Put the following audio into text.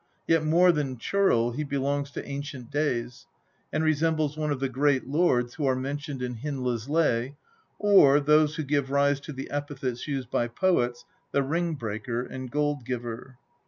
Yet more than Churl he belongs to ancient days, and resembles one of the great lords who are mentioned in Hyndla's Lay, or those who give rise to the epithets used by poets, " the ring breaker " and " gold giver."